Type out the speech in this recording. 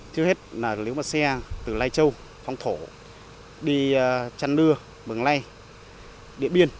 trước hết nếu mà xe từ lai châu phong thổ đi trần đưa bường lai điện biên